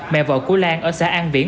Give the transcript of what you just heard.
mẹ vợ cú lan ở xã an viễn